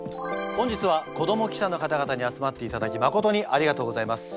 本日は子ども記者の方々に集まっていただきまことにありがとうございます。